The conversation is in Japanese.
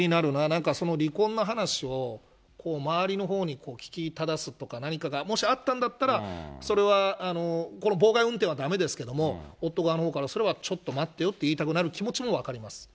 なんかその離婚の話を周りのほうに聞きただすとか、何かがもしあったんだったら、それは、この妨害運転はだめですけれども、夫側のほうからすれば、ちょっと待ってよって言いたくなる気持ちも分かります。